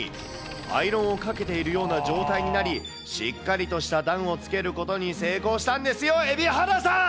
アイロンをかけているような状態になり、しっかりとした段をつけることに成功したんですよ、蛯原さん。